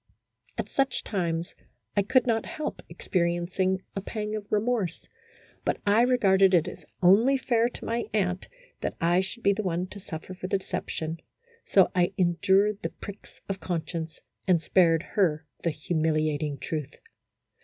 At such times I could A HYPOCRITICAL ROMANCE. I/ not help experiencing a pang of remorse, but I re garded it as only fair to my aunt that I should be the one to suffer for the deception, so I endured the pricks of conscience, and spared her the humiliating truth.